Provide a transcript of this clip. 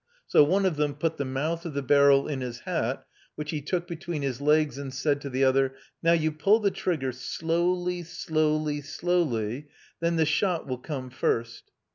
So one of them put the mouth of the barrel in his hat, which he took between his legs, and said to the other: "Now you pull the trigger slowly, slowly, slowly; then the shot will come first."